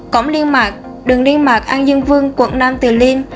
cổng liên mạc đường liên mạc an dương vương quận nam từ liêm